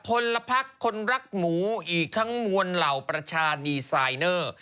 คนละพักคนรักหมูอีกทั้งมวลเหล่าประชาดีไซน์เนอร์